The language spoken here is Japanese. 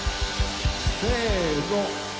せの。